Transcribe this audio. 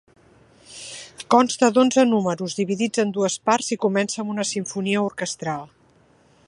Consta d'onze números, dividits en dues parts, i comença amb una simfonia orquestral.